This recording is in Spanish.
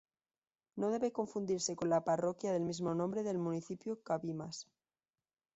No debe confundirse con la parroquia del mismo nombre del municipio Cabimas.